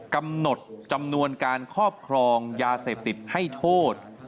กำหนดจำนวนการครอบครองยาเสพติดให้โทษ